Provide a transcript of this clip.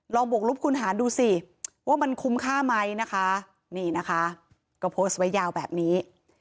บวกลุกคุณหารดูสิว่ามันคุ้มค่าไหมนะคะนี่นะคะก็โพสต์ไว้ยาวแบบนี้